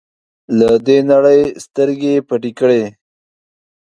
له دې نړۍ سترګې پټې کړې.